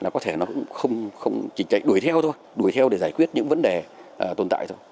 có thể nó cũng không chỉnh chạy đuổi theo thôi đuổi theo để giải quyết những vấn đề tồn tại thôi